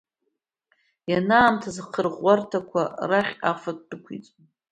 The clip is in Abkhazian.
Ианаамҭаз ахырӷәӷәарҭақәа рахь афатә дәықәиҵон.